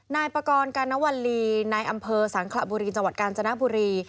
นายปากรกานวัลลีนายอำเภอสังขระบุรีจังหวัดกาญจนบุรี